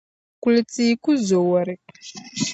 Kul’ tia ku zo wari.